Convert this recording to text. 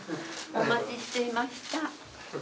お待ちしていました。